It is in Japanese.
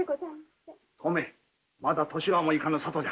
とめまだ年端もいかぬ佐登じゃ。